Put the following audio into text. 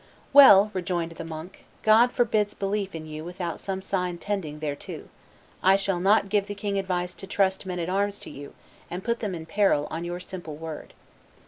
"Well," rejoined the monk, "God forbids belief in you without some sign tending thereto: I shall not give the king advice to trust men at arms to you, and put them in peril on your simple word."